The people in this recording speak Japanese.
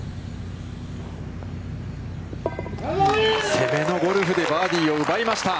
攻めのゴルフでバーディーを奪いました。